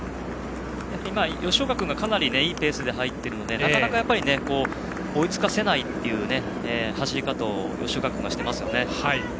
やはり吉岡君がいいペースで入っているので、なかなか追いつかせないという走り方を吉岡君はしていますね。